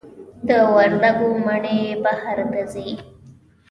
د وردګو مڼې بهر ته ځي؟